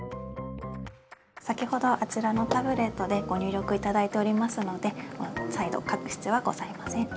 先ほどあちらのタブレットでご入力いただいておりますので再度書く必要はございません。